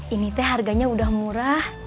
ini teh harganya udah murah